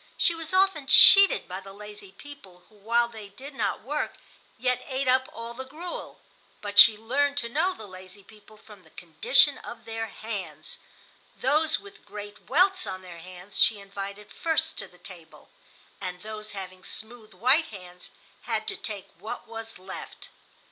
She was often cheated by the lazy people, who while they did not work, yet ate up all the gruel. But she learned to know the lazy people from the condition of their hands. Those with great welts on their hands she invited first to the table, and those having smooth white hands had to take what was left.